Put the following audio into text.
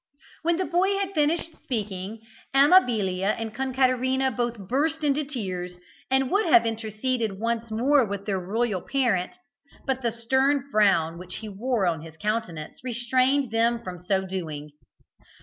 When the boy had finished speaking, Amabilia and Concaterina both burst into tears, and would have interceded once more with their royal parent, but the stern frown which he wore on his countenance restrained them from so doing.